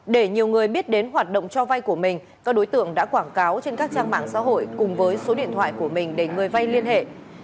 để nhiều người biết đến hoạt động cho vay của mình các đối tượng đã quảng cáo trên các trang mạng xã hội cùng với số điện thoại của mình để người vay liên hệ